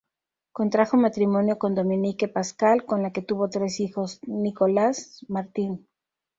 Contrajo matrimonio con Dominique Pascal con la que tuvo tres hijos: Nicolás, Martín.